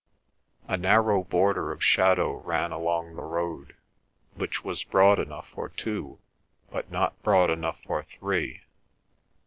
A narrow border of shadow ran along the road, which was broad enough for two, but not broad enough for three.